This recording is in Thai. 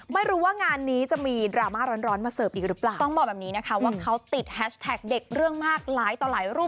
ไม่รู้ว่างานนี้จะมีดราม่าร้อนมาเสิร์ฟอีกหรือเปล่า